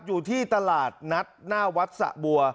อยู่ที่ตลาดนัดหน้าวัดสะบัว